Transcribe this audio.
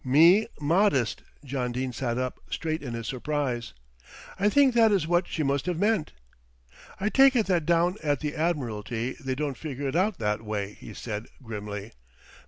"Me modest!" John Dene sat up straight in his surprise. "I think that is what she must have meant." "I take it that down at the Admiralty they don't figure it out that way," he said grimly.